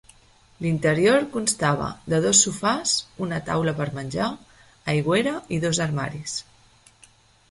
L'interior constava de dos sofàs, una taula per menjar, aigüera i dos armaris.